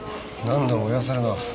何度も言わせるな。